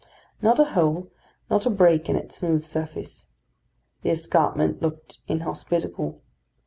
Not a hole, not a break in its smooth surface. The escarpment looked inhospitable.